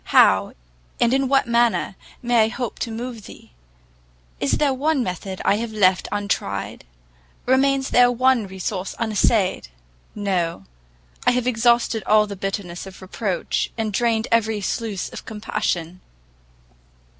how, and in what manner, may I hope to move thee? Is there one method I have left untried? remains there one resource unessayed? No! I have exhausted all the bitterness of reproach, and drained every sluice of compassion!